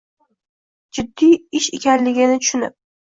jiddiy ish ekanligini tushunib